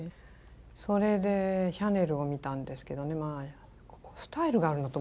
それでシャネルを見たんですけどねスタイルがあるなと思いましたね。